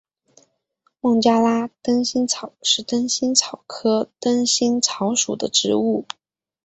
孟加拉灯心草是灯心草科灯心草属的植物。